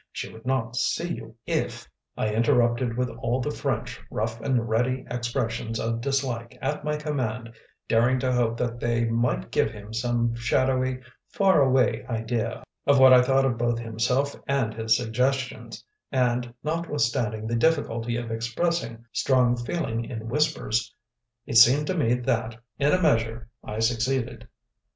"She would not see you if " I interrupted with all the French rough and ready expressions of dislike at my command, daring to hope that they might give him some shadowy, far away idea of what I thought of both himself and his suggestions, and, notwithstanding the difficulty of expressing strong feeling in whispers, it seemed to me that, in a measure, I succeeded.